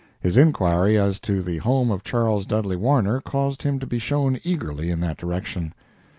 His inquiry as to the home of Charles Dudley Warner caused him to be shown eagerly in that direction.